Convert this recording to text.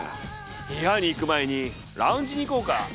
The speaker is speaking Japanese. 部屋に行く前にラウンジに行こうか。